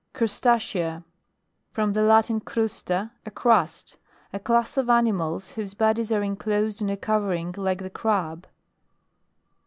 CRUSTACEA. From the Latin, crusta, a crust. A class of animals whose bodies are inclosed in a covering, like the crab.